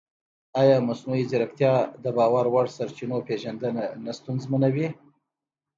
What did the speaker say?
ایا مصنوعي ځیرکتیا د باور وړ سرچینو پېژندنه نه ستونزمنوي؟